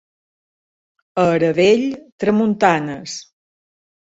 A Aravell, tramuntanes.